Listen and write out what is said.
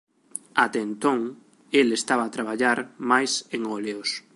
Até entón el estaba a traballar máis en óleos.